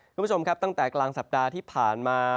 คุณผู้ชมครับตั้งแต่กลางสัปดาห์ที่ผ่านมา